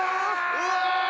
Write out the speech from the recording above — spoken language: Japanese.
うわ！